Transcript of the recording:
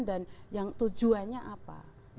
dan yang tujuannya apa